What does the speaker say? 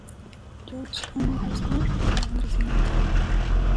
George, Hanover Square, en Londres, Inglaterra.